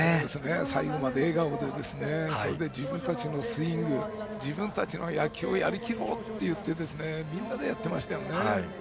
最後まで笑顔で自分たちのスイング自分たちの野球をやりきろうといってみんなでやっていましたね。